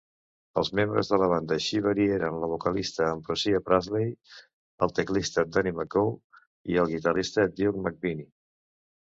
Els membres de la banda Shivaree eren la vocalista Ambrosia Parsley, el teclista Danny McGough i el guitarrista Duke McVinnie.